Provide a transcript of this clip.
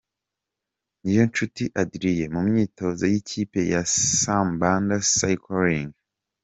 Niyonshuti Adrien mu myitozo y’ikipe ya Sampada Cycling Team.